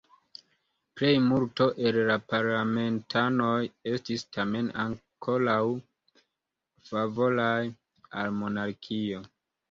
Plejmulto el la parlamentanoj estis tamen ankoraŭ favoraj al monarkio.